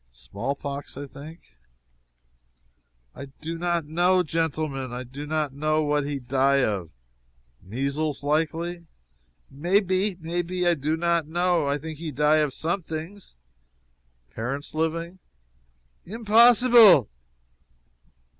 "Small pox, think?" "I do not know, genteelmen! I do not know what he die of!" "Measles, likely?" "May be may be I do not know I think he die of somethings." "Parents living?" "Im poseeeble!"